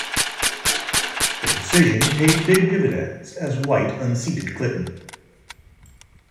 Her decision paid big dividends, as White unseated Clinton.